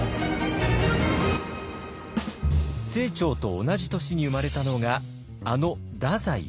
清張と同じ年に生まれたのがあの太宰治。